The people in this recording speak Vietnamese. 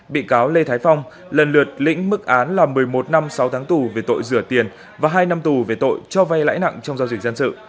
bị cáo lê thái phong lần lượt lĩnh mức án là một mươi một năm sáu tháng tù về tội rửa tiền và hai năm tù về tội cho vay lãi nặng trong giao dịch dân sự